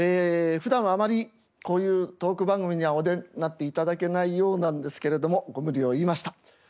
ふだんはあまりこういうトーク番組にはお出になっていただけないようなんですけれどもご無理を言いました。